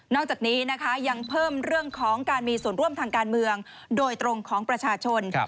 จากนี้นะคะยังเพิ่มเรื่องของการมีส่วนร่วมทางการเมืองโดยตรงของประชาชน